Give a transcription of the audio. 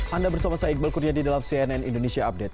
anda bersama saya iqbal kuryadi dalam cnn indonesia update